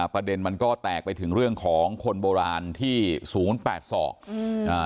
ประเด็นมันก็แตกไปถึงเรื่องของคนโบราณที่ศูนย์แปดศอกอืมอ่า